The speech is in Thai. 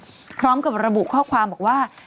กับเบลล่าจากทริปดำน้ำพร้อมกับระบุข้อความบอกว่า